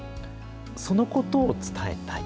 そのことを伝えたい。